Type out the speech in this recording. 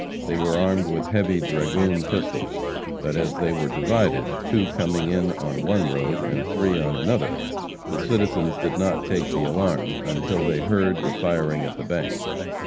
They were armed with heavy dragoon pistols, but as they were divided, two coming in on one road and three on another, the citizens did not take the alarm until they heard, the firing at the bank.